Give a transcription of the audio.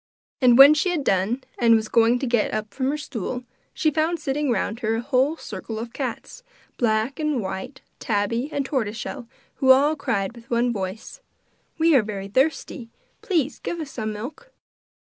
And when she had done, and was going to get up from her stool, she found sitting round her a whole circle of cats, black and white, tabby and tortoise shell, who all cried with one voice: 'We are very thirsty, please give us some milk!